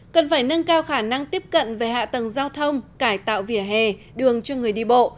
cần phải nâng cao khả năng tiếp cận về hạ tầng giao thông cải tạo vỉa hè đường cho người đi bộ